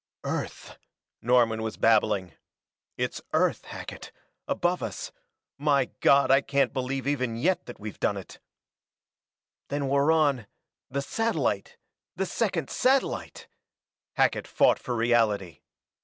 "Earth!" Norman was babbling. "It's Earth, Hackett above us; my God, I can't believe even yet that we've done it!" "Then we're on the satellite the second satellite! " Hackett fought for reality.